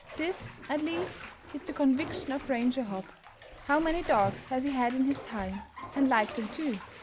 This, at least, is the conviction of Ranger Hopp. How many dogs has he had in his time, and liked them too